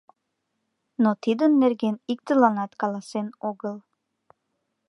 Но тидын нерген иктыланат каласен огыл.